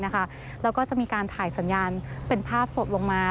แล้วก็จะมีการถ่ายสัญญาณเป็นภาพสดลงมา